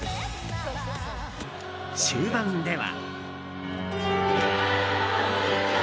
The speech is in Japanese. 終盤では。